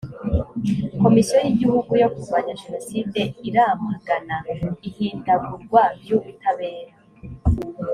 komisiyo y’ igihugu yo kurwanya jenoside iramagana ihindagurwa ry ubutabera .